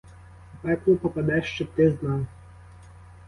У пекло попадеш, щоб ти знав!